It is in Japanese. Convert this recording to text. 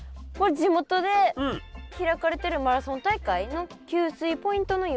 地元で開かれてるマラソン大会の給水ポイントの様子。